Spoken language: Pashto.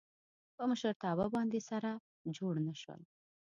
په مشرتابه باندې سره جوړ نه شول.